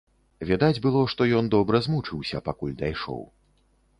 Відаць было, што ён добра змучыўся, пакуль дайшоў.